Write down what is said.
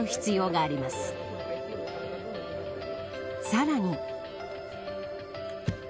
さらに。